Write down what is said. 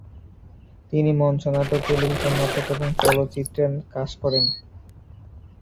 তিনি মঞ্চ নাটক, টেলিভিশন নাটক এবং চলচ্চিত্রে কাজ করেন।